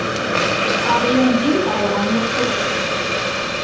Արեյոն ձին կարողում էր խոսել։